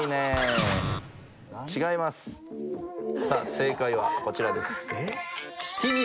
正解はこちらです。